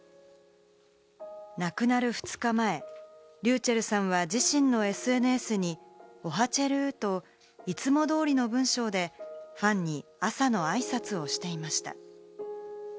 亡くなる２日前、ｒｙｕｃｈｅｌｌさんは自身のＳＮＳに、「おはちぇるぅ」と、いつも通りの文章でファンに朝のあいさつをしていました。